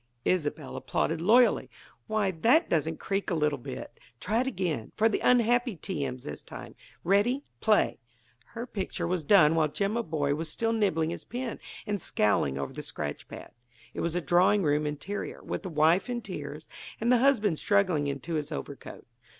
Isobel applauded loyally. "Why, that doesn't creak a little bit! Try it again; for the unhappy T. M.'s, this time. Ready? Play!" Her picture was done while Jimaboy was still nibbling his pen and scowling over the scratch pad. It was a drawing room interior, with the wife in tears and the husband struggling into his overcoat.